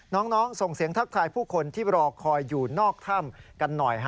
น้องส่งเสียงทักทายผู้คนที่รอคอยอยู่นอกถ้ำกันหน่อย